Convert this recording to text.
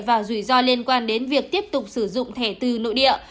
và rủi ro liên quan đến việc tiếp tục sử dụng thẻ từ nội địa